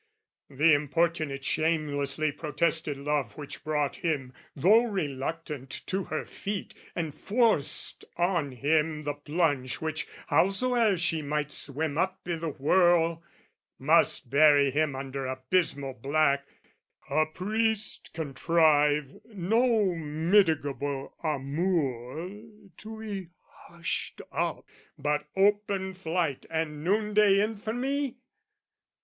The importunate shamelessly protested love Which brought him, though reluctant, to her feet, And forced on him the plunge which, howsoe'er She might swim up i' the whirl, must bury him Under abysmal black: a priest contrive No mitigable amour to 'e hushed up, But open flight and noon day infamy?